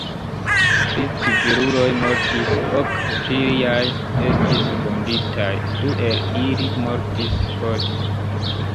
Tri civiluloj mortis, ok pliaj estis vunditaj, du el ili mortis poste.